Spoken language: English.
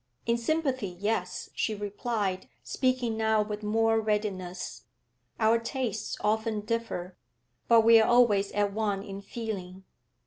'In sympathy, yes,' she replied, speaking now with more readiness. 'Our tastes often differ, but we are always at one in feeling.